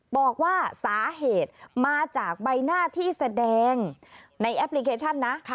บอกว่าสาเหตุมาจากใบหน้าที่แสดงในแอปพลิเคชันนะ